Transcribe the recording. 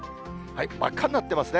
真っ赤になっていますね。